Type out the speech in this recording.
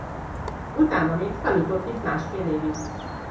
Utána még tanított itt másfél évig.